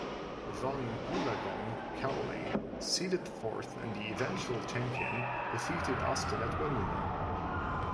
Evonne Goolagong Cawley, seeded fourth and the eventual champion, defeated Austin at Wimbledon.